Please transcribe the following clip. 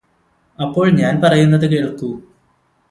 അപ്പോൾ ഞാന് പറയുന്നത് കേള്ക്കൂ